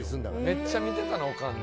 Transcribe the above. めっちゃ見てたなおかん。